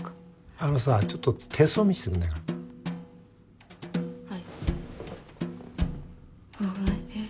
あのさちょっと手相見せてくんないかなはいおっあっえっ？